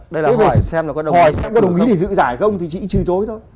đây là hỏi xem là có đồng ý để giữ giải không thì chị trừ tối thôi